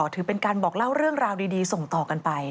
ถือเป็นการบอกเล่าเรื่องราวดีส่งต่อกันไป